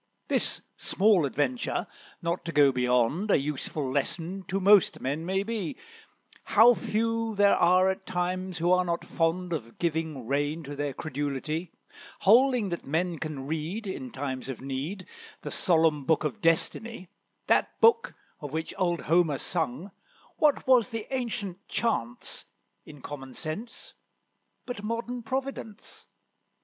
This small adventure, not to go beyond, A useful lesson to most men may be; How few there are at times who are not fond Of giving reins to their credulity, Holding that men can read, In times of need, The solemn Book of Destiny, That book, of which old Homer sung, What was the ancient chance, in common sense, but modern Providence?